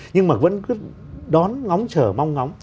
nhưng mà vẫn đón ngóng chở mong ngóng